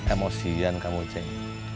emosian kamu ceng